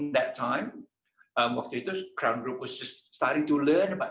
pada waktu itu kruen group mulai belajar tentang hal baru ini